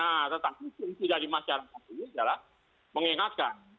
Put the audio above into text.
nah tetapi fungsi dari masyarakat ini adalah mengingatkan